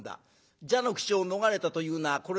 蛇の口を逃れたというのはこれでしょう。